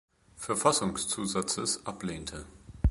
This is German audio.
Verfassungszusatzes ablehnte.